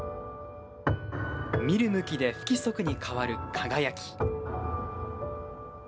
見る向きで不規則に変わる輝き。